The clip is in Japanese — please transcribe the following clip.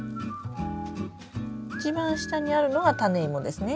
一番下にあるのがタネイモですね。